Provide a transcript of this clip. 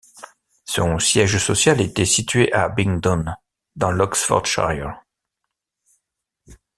Son siège social était situé à Abingdon, dans l'Oxfordshire.